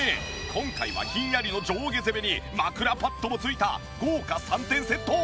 今回はひんやりの上下攻めに枕パッドも付いた豪華３点セット！